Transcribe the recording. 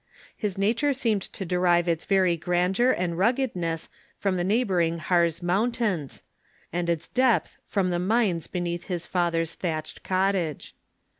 His nature seemed to derive its very grandeur and ruggedness from the neighboring Ilarz Mountains, and its dej^th from the mines beneath his father's thatched cottage.